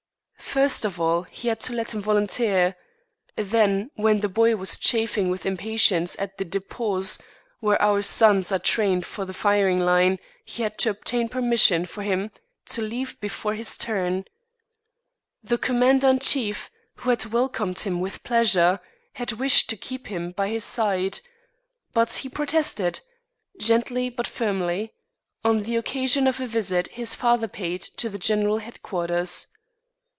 First of all he had to let him volunteer; then when the boy was chafing with impatience in the dépôts where our sons are trained for the firing line he had to obtain permission for him to leave before his turn. The commander in chief, who had welcomed him with pleasure, had wished to keep him by his side, but he protested, gently but firmly, on the occasion of a visit his father paid to the general headquarters.